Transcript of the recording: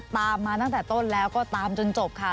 มาตั้งแต่ต้นแล้วก็ตามจนจบค่ะ